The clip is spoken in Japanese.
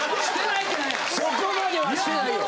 そこまではしてないよ。